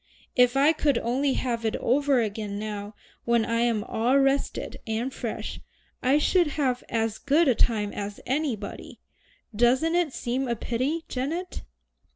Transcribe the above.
If I could only have it over again now when I am all rested and fresh, I should have as good a time as anybody. Doesn't it seem a pity, Janet?"